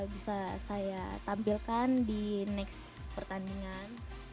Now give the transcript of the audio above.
bisa saya tampilkan di next pertandingan